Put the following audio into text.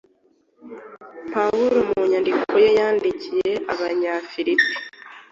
Pawulo mu nyandiko ye yandikiye Abanyafilipi